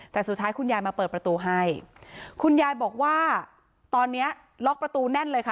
แต่สุดท้ายคุณยายมาเปิดประตูให้คุณยายบอกว่าตอนเนี้ยล็อกประตูแน่นเลยค่ะ